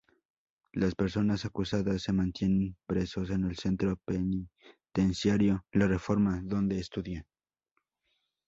Las personas acusadas se mantienen presos en el Centro Penitenciario La Reforma, donde estudian.